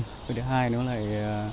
thứ thứ hai nó lại giúp cho bà con dân